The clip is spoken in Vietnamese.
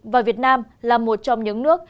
và việt nam là một trong những nước